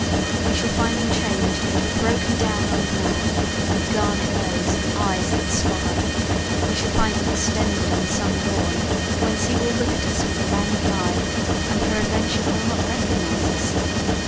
we shall find him changed into a broken down old man, with garnet nose and eyes that slobber; we shall find him extended on some lawn, whence he will look at us with a languid eye and peradventure will not recognize us.